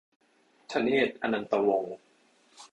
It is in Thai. ธเนตร อนันตวงษ์